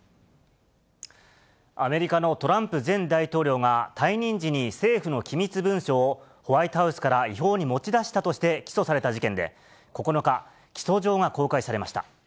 アメリカのトランプ前大統領が、退任時に政府の機密文書をホワイトハウスから違法に持ち出したとして起訴された事件で、９日、起訴状が公開されました。